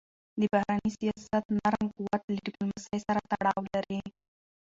د بهرني سیاست نرم قوت له ډیپلوماسی سره تړاو لري.